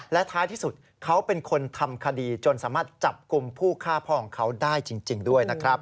และท้ายที่สุดเขาเป็นคนทำคดีจนสามารถจับกลุ่มผู้ฆ่าพ่อของเขาได้จริงด้วยนะครับ